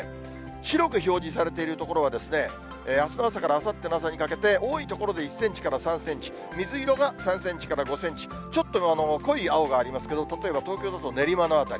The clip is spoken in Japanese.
白く表示されている所は、あすの朝からあさっての朝にかけて、多い所で１センチから３センチ、水色が３センチから５センチ、ちょっと濃い青がありますけど、例えば東京だと練馬の辺り。